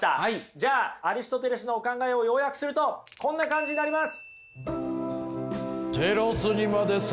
じゃあアリストテレスのお考えを要約するとこんな感じになります。